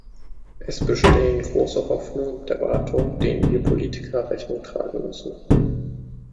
Es bestehen große Hoffnungen und Erwartungen, denen wir Politiker Rechnung tragen müssen.